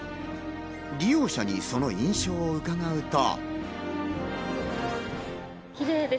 利用者にその印象を伺うと。